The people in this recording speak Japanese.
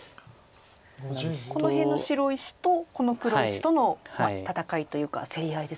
この辺の白石とこの黒石との戦いというか競り合いですね。